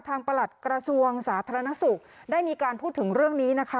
ประหลัดกระทรวงสาธารณสุขได้มีการพูดถึงเรื่องนี้นะคะ